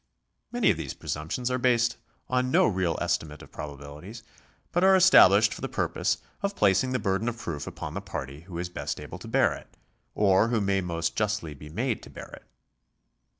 Many of these presumptions are based on no real estimate of probabilities, but are established for the purpose of placing tl:e burden of proof upon the party who is best able to bear it, or who may most justly be made to bear it.